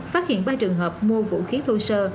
phát hiện ba trường hợp mua vũ khí thô sơ